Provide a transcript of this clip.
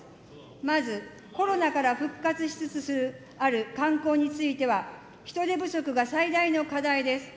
まず、コロナから復活しつつある観光については、人手不足が最大の課題です。